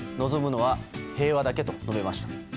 望むのは平和だけと述べました。